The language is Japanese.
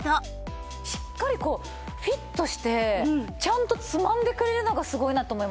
しっかりこうフィットしてちゃんとつまんでくれるのがすごいなって思います。